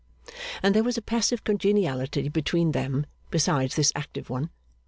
And there was a passive congeniality between them, besides this active one.